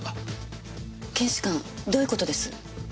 検視官どういう事です？